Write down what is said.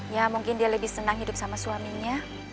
ya mungkin dia lebih senang hidup sama suaminya